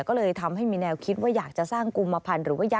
ก็เลยทำให้มีแนวคิดว่าอยากจะสร้างกุมพันธุ์